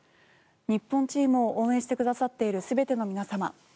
日本チームを応援してくださっている全ての皆様